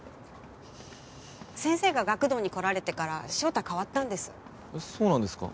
先生が学童に来られてから翔太変わったんですそうなんですか？